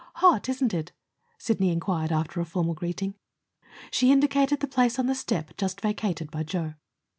"Hot, isn't it?" Sidney inquired, after a formal greeting. She indicated the place on the step just vacated by Joe.